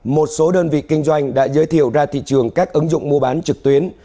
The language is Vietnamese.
một số đơn vị kinh doanh đã giới thiệu ra thị trường các ứng dụng mua bán trực tuyến